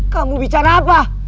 kamu bicara apa